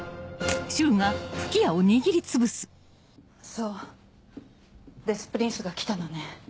そうデス・プリンスが来たのね。